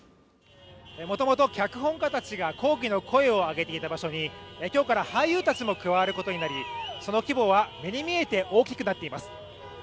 元々脚本家たちが抗議の声を上げていた場所に今日から俳優たちも加わることになり、その規模は目に見えて大きくなっています。